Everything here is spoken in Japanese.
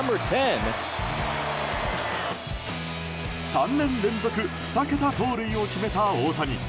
３年連続２桁盗塁を決めた大谷。